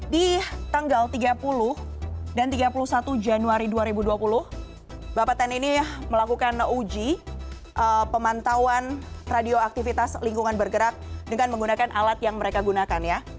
di tanggal tiga puluh dan tiga puluh satu januari dua ribu dua puluh bapak ten ini melakukan uji pemantauan radio aktivitas lingkungan bergerak dengan menggunakan alat yang mereka gunakan ya